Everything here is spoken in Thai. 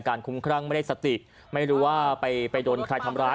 คุ้มครั่งไม่ได้สติไม่รู้ว่าไปไปโดนใครทำร้าย